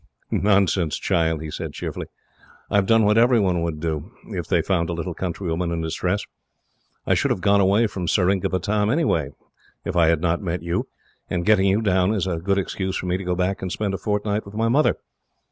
"Nonsense, child!" he said cheerfully. "I have done what every one would do, if they found a little countrywoman in distress. I should have gone away from Seringapatam anyhow, if I had not met you, and getting you down is a good excuse for me to go back and spend a fortnight with my mother.